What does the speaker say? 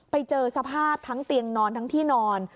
ไปเจอสภาพทั้งเตียงนอนทั้งที่นอน